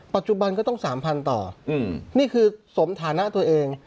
ปัจจุบันก็ต้อง๓๐๐ต่อนี่คือสมฐานะตัวเอง